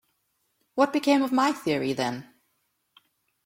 What became of my theory then?